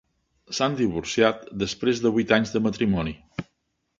S'han divorciat després de vuit anys de matrimoni.